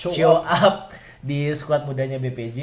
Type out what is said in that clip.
show up di squad mudanya bpj